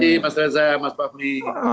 terima kasih mas reza mas fahmi